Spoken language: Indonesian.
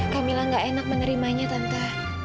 kak mila gak enak menerimanya tante